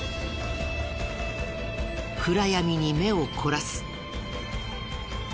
暗闇に目を凝らす。